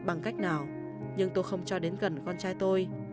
bằng cách nào nhưng tôi không cho đến gần con trai tôi